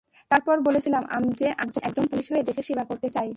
তারপর, বলেছিলাম যে আমি একজন পুলিশ হয়ে দেশের সেবা করতে চাই।